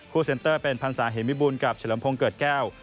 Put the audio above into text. คู่เซ็นเตอร์เป็นพรรษาเห็นวิบูลกับเฉลิมพรงเกิดแก้ว